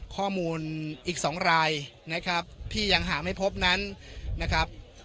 ข้อมูลอีก๒รายนะครับที่ยังหาไม่พบนั้นนะครับ